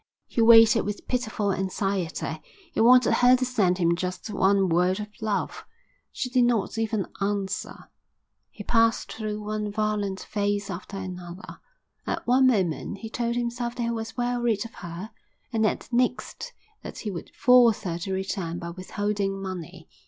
He waited with pitiful anxiety. He wanted her to send him just one word of love; she did not even answer. He passed through one violent phase after another. At one moment he told himself that he was well rid of her, and at the next that he would force her to return by withholding money.